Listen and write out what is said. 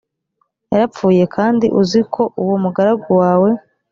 yarapfuye kandi uzi ko uwo mugaragu wawe